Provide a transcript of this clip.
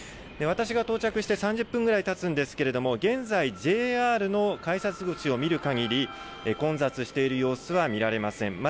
私が到着して３０分ぐらいたつんですけれども現在、ＪＲの改札口を見るかぎり混雑している様子は見られません。